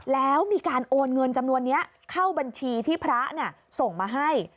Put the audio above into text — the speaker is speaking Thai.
แล้วมีการโอนเงินจำนวนนี้เข้าบัญชีที่พระส่งมาให้